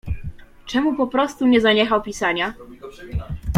"Czemu poprostu nie zaniechał pisania?"